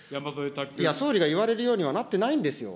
総理が言われるようにはなってないんですよ。